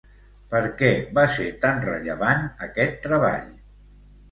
Per què va ser tan rellevant, aquest treball?